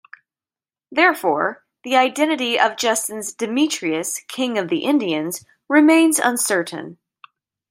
Therefore, the identity of Justin's "Demetrius, king of the Indians", remains uncertain.